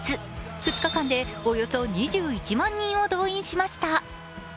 ２日間でおよそ２１万人を動員しました。